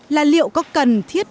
là liệu có cần thiết